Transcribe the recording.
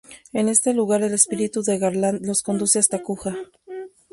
En este lugar, el espíritu de Garland los conduce hasta Kuja.